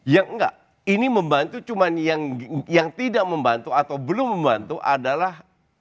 yang enggak ini membantu cuma yang tidak membantu atau belum membantu adalah